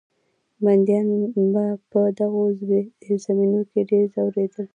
بندیان به په دغو زیرزمینیو کې ډېر ځورېدل.